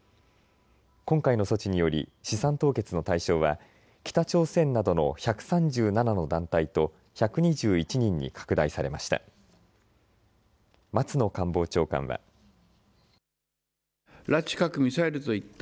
今回の措置により資産凍結の対象は北朝鮮などの１３７の団体と１２１人に拡大されました。